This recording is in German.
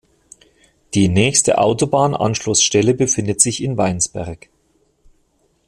Die nächste Autobahnanschlussstelle befindet sich in Weinsberg.